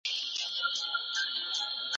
کوم ځایونه د ځانته پاته کېدو لپاره مناسب دي؟